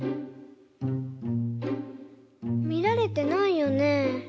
みられてないよね？